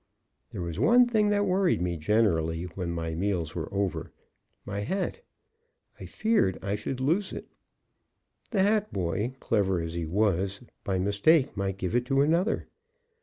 There was one thing that worried me generally when my meals were over; my hat. I feared I should lose it. The hat boy, clever as he was, by mistake might give it to another.